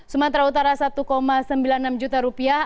sumatera utara satu sembilan puluh enam juta rupiah